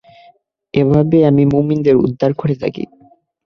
এভাবেই আমি মুমিনদের উদ্ধার করে থাকি।